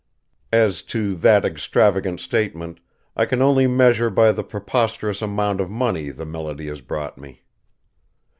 As to that extravagant statement, I can only measure by the preposterous amount of money the melody has brought me.